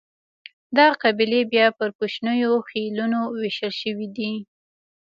دا قبیلې بیا پر کوچنیو خېلونو وېشل شوې دي.